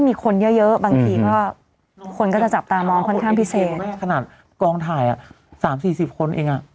เสื้ออย่างเดียวกับปิดเนี่ย